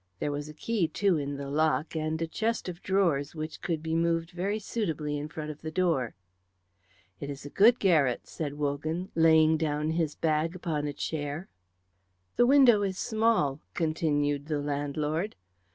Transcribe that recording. There was a key, too, in the lock, and a chest of drawers which could be moved very suitably in front of the door. "It is a good garret," said Wogan, laying down his bag upon a chair. "The window is small," continued the landlord.